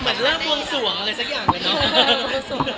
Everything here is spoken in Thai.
เหมือนเลิกบวงสวงอะไรสักอย่างเลยเนอะ